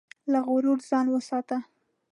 له غرور ځان وساته.